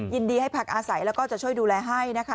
ยินดีให้พักอาศัยแล้วก็จะช่วยดูแลให้นะคะ